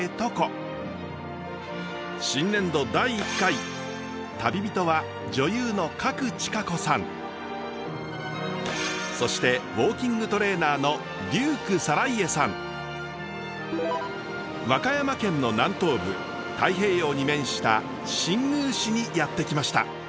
新年度第１回旅人は女優のそしてウォーキングトレーナーの和歌山県の南東部太平洋に面した新宮市にやって来ました。